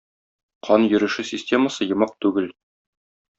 Кан йөреше системасы йомык түгел.